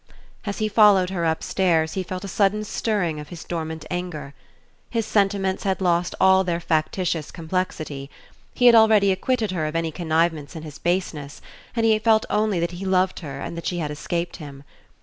As he followed her upstairs he felt a sudden stirring of his dormant anger. His sentiments had lost all their factitious complexity. He had already acquitted her of any connivance in his baseness, and he felt only that he loved her and that she had escaped him.